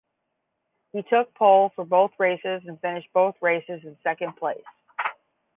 He took pole for both races and finished both races in second place.